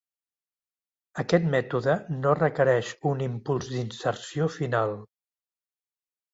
Aquest mètode no requereix un impuls d'inserció final.